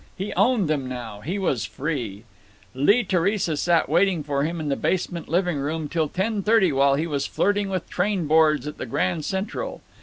He owned them now. He was free. Lee Theresa sat waiting for him in the basement livingroom till ten thirty while he was flirting with trainboards at the Grand Central.